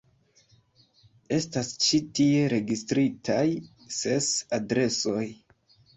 Estas ĉi tie registritaj ses adresoj.